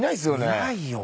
見ないよ。